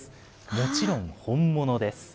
もちろん本物です。